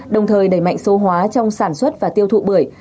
đồng thời đẩy mạnh số hóa trong sản xuất và tiêu thụ bưởi